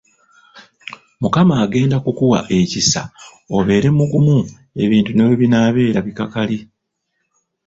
Mukama agenda kukuwa ekisa obeere mugumu ebintu ne bwe binaabeera bikakali.